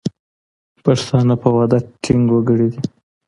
پښتانه په وعده ټینګ وګړي دي.